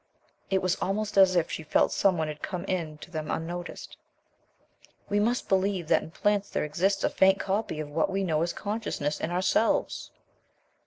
It was almost as if she felt some one had come in to them unnoticed. "We must believe that in plants there exists a faint copy of what we know as consciousness in ourselves."